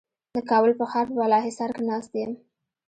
د کابل په ښار په بالاحصار کې ناست یم.